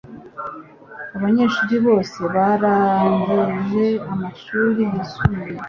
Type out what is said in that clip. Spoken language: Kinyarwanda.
Abanyeshuri bose barangije amashuri yisumbuye